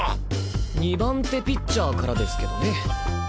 二番手ピッチャーからですけどね。